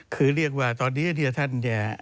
คือเรียกว่าตอนนี้นี่ท่านเนี่ย